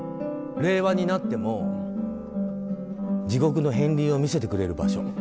令和になっても地獄の片りんを見せてくれる場所。